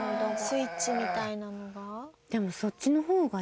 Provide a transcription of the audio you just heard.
スイッチみたいなのが。